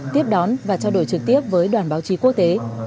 tiếp đón và trao đổi trực tiếp với đoàn báo chí quốc tế